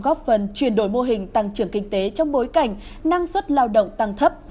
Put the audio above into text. góp phần chuyển đổi mô hình tăng trưởng kinh tế trong bối cảnh năng suất lao động tăng thấp